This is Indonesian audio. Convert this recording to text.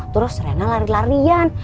terus rena lari larian